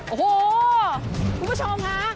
โอ้โหคุณผู้ชมค่ะ